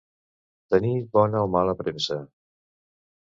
Tenir bona o mala premsa.